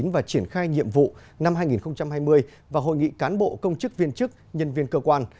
và triển khai nhiệm vụ năm hai nghìn hai mươi và hội nghị cán bộ công chức viên chức nhân viên cơ quan